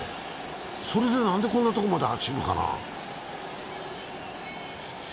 それで、なんでこんなとこまで走るかな。